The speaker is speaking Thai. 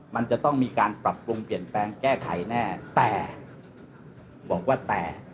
มันจะต้องมีการปรับปรุงเปลี่ยนแปลงแก้ไขแน่แต่บอกว่าแต่